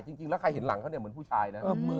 จริงแล้วใครเห็นหลังเขาเนี่ยเหมือนผู้ชายนะ